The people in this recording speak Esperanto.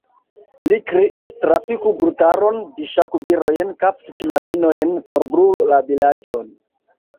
li kriis: trapiku brutaron, dishaku virojn, kaptu knabinojn, forbrulu la vilaĝon!